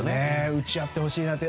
打ち合ってほしいなって。